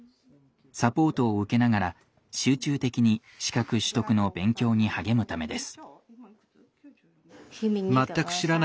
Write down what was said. サポートを受けながら集中的に資格取得の勉強に励むためです。